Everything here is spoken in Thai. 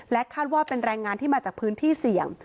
คาดว่าเป็นแรงงานที่มาจากพื้นที่เสี่ยง